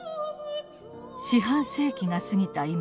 四半世紀が過ぎた